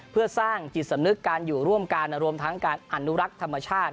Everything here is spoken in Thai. เพื่อสร้างจิตสำนึกการอยู่ร่วมกันรวมทั้งการอนุรักษ์ธรรมชาติ